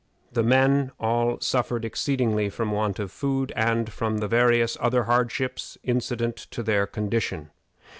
The men all suffered exceedingly from want of food, and from the various other hardships incident to their condition.